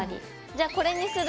じゃこれにする。